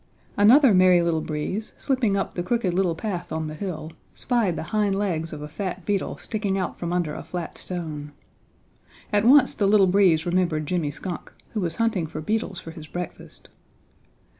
Another Merry Little Breeze, slipping up the Crooked Little Path on the hill, spied the hind legs of a fat beetle sticking out from under a flat stone. At once the Little Breeze remembered Jimmy Skunk, who was hunting for beetles for his breakfast.